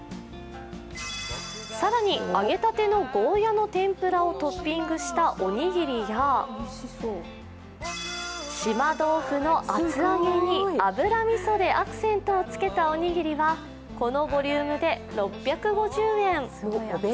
更に、揚げたてのゴーヤの天ぷらをトッピングしたおにぎりや島豆腐の厚揚げに油みそでアクセントをつけたおにぎりはこのボリュームで６５０円。